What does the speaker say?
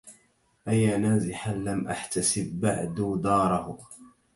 أيا نازحا لم أحتسب بعد داره